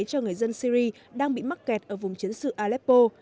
cho người dân syri đang bị mắc kẹt ở vùng chiến sự aleppo